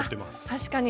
確かに。